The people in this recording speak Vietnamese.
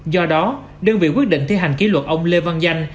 do đó đơn vị quyết định thi hành kỷ luật ông lê văn danh